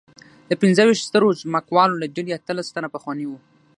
د پنځه ویشت سترو ځمکوالو له ډلې اتلس تنه پخواني وو.